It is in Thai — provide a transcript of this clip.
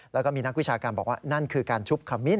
แล้วก็มีนักวิชาการบอกว่านั่นคือการชุบขมิ้น